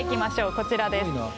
こちらです。